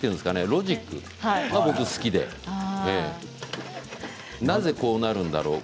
ロジックが好きでなぜこうなるんだろう？